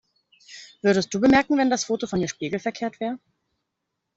Würdest du bemerken, wenn das Foto von mir spiegelverkehrt wäre?